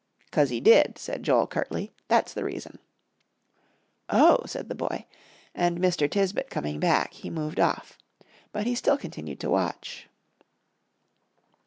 '"Cause he did," said Joel, curtly, "that's the reason." "Oh!" said the boy, and Mr. Tisbett coming back, he moved off. But he still continued to watch.